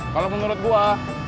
kalau menurut gue